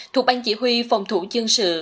thuộc ban chỉ huy phòng thủ dân sự